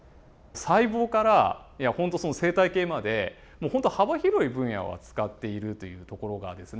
細胞から生態系まで本当幅広い分野を扱っているというところがですね